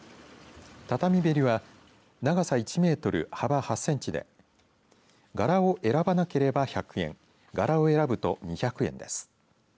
畳べりは長さ１メートル幅８センチで柄を選ばなければ１００円柄を選ぶと２００円です。